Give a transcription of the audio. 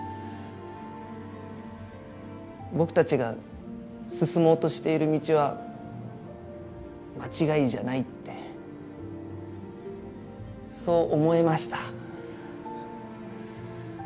僕たちが進もうとしている道は間違いじゃないってそう思えました。